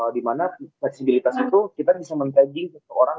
dimana fleksibilitas itu kita bisa men tagging seseorang